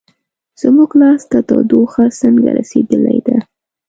زموږ لاس ته تودوخه څنګه رسیدلې ده؟